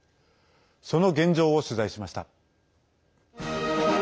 その現状を取材しました。